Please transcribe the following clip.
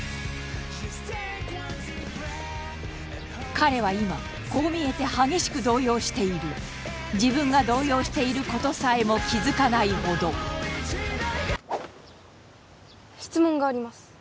彼は今こう見えて激しく動揺している自分が動揺していることさえも気づかないほど質問があります